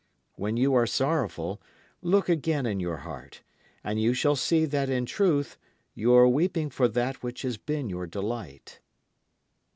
When you are sorrowful look again in your heart, and you shall see that in truth you are weeping for that which has been your delight.